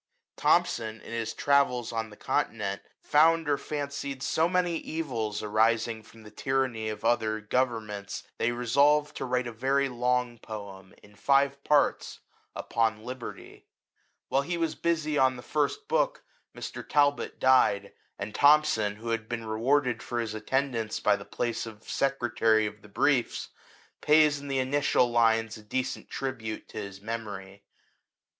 Thomson, in his travels on the continent, found or fancied so many evils arising from the tyranny of other go vernments, that he resolved to write a very long poem, in five parts, upon Liberty. XkV LIFE OF THOMSON. While he was busy on the first book, Mr. Talbot died ; and Thomson, who had been rewarded for his attendance by the place of secretary of the briefs, pays in the initial lines a decent tribute to his memory.